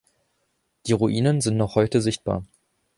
Die Ruinen sind noch heute sichtbar.